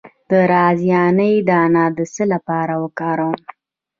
د رازیانې دانه د څه لپاره وکاروم؟